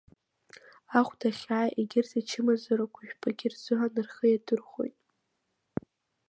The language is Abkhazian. Ахәдахьааи, егьырҭ ачымазарақәа жәпаки рзыҳәан рхы иадырхәоит.